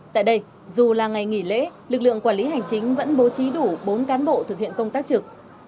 tại đây dù là ngày nghỉ lễ lực lượng quản lý hành chính vẫn bố trí đủ bốn cán bộ thực hiện công tác trực